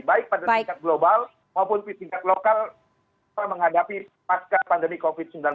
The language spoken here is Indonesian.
baik pada tingkat global maupun tingkat lokal menghadapi pasca pandemi covid sembilan belas